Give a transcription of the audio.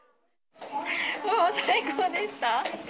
もう最高でした。